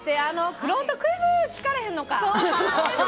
くろうとクイズ！って聞かれへんのか。